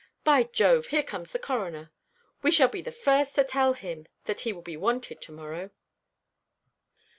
By Jove! here comes the Coroner. We shall be the first to tell him that he will be wanted to morrow."